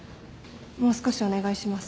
もう少しお願いします。